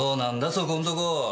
そこんとこ。